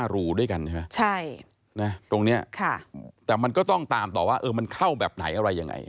รูด้วยกันใช่ไหมตรงนี้แต่มันก็ต้องตามต่อว่ามันเข้าแบบไหนอะไรยังไง